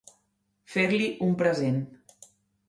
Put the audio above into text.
Fer-li un present.